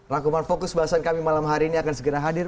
rangkuman fokus bahasan kami malam hari ini akan segera hadir